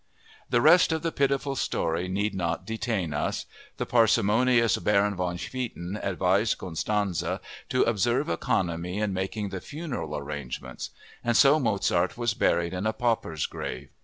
The rest of the pitiful story need not detain us. The parsimonious Baron van Swieten advised Constanze to observe economy in making the funeral arrangements; and so Mozart was buried in a pauper's grave.